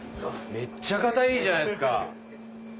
めっちゃガタイいいじゃないですか。